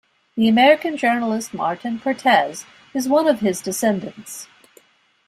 The American journalist Martin Peretz is one of his descendants.